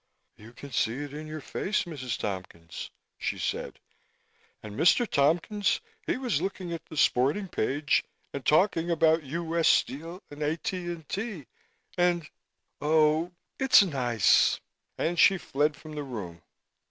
"You can see it in your face, Mrs. Tompkins," she said, "and Mr. Tompkins he was looking at the sporting page and talking about U.S. Steel and A.T.&T. And oh, it's nice." And she fled from the room.